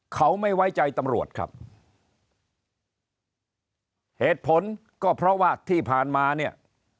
เขาไม่ไว้ใจตำรวจครับเหตุผลก็เพราะว่าที่ผ่านมาเนี่ย